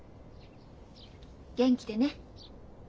元気でね。